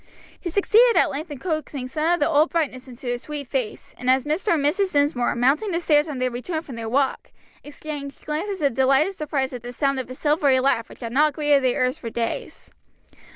He succeeded at length in coaxing some of the old brightness into the sweet face, and Mr. and Mrs. Dinsmore, mounting the stairs on their return from their walk, exchanged glances of delighted surprise at the sound of a silvery laugh which had not greeted their ears for days.